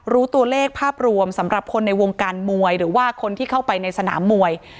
รู้ตัวเลขภาพรวมสำหรับคนในวงการมวยหรือว่าคนที่เข้าไปในสนามมวย